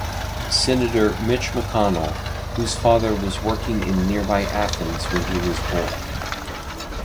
Senator Mitch McConnell, whose father was working in nearby Athens when he was born.